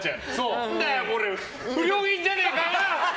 何だよ、これ不良品じゃねえかよ！